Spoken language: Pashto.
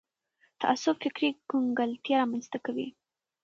تعصب فکري کنګلتیا رامنځته کوي